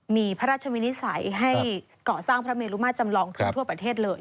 มีพระราชวินิสัยให้ก่อสร้างพระเมลุมาจำลองทั่วประเทศเลย